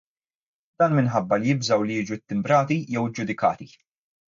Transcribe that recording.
Dan minħabba li jibżgħu li jiġu ttimbrati jew iġġudikati.